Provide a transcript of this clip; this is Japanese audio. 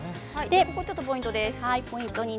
ここがポイントです。